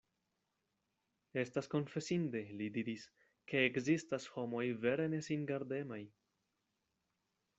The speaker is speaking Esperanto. Estas konfesinde, li diris, ke ekzistas homoj vere nesingardemaj.